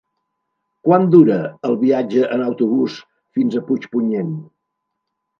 Quant dura el viatge en autobús fins a Puigpunyent?